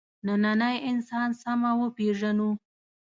نننی انسان سمه وپېژنو.